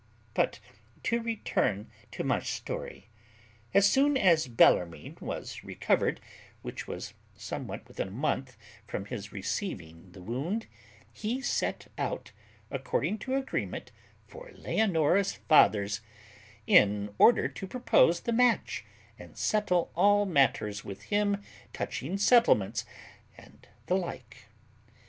But to return to my story: as soon as Bellarmine was recovered, which was somewhat within a month from his receiving the wound, he set out, according to agreement, for Leonora's father's, in order to propose the match, and settle all matters with him touching settlements, and the like.